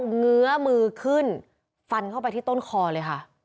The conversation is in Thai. เงื้อมือขึ้นฟันเข้าไปที่ต้นคอเลยค่ะ